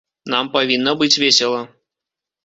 Нам павінна быць весела.